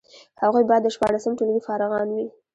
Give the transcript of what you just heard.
هغوی باید د شپاړسم ټولګي فارغان وي.